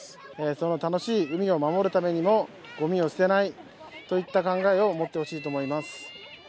その楽しい海を守るためにも、ごみを捨てないといった考えを持ってほしいと思います。